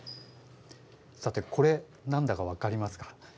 さてこれ何だか分かりますか？